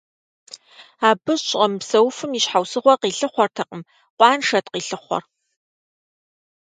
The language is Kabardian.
Абы щӏэмыпсэуфым и щхьэусыгъуэ къилъыхъуэртэкъым, къуаншэт къилъыхъуэр.